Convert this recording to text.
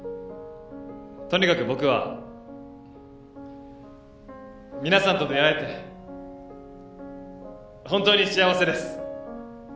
とにかく僕は皆さんと出会えて本当に幸せです。